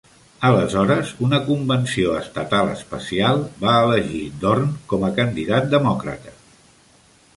Aleshores, una convenció estatal especial va elegir Dorn com a candidat demòcrata.